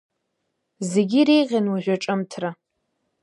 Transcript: Зегьы иреиӷьын уажә аҿымҭра…